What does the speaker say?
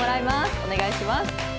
お願いします。